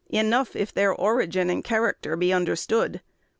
Enough if their origin and character be understood.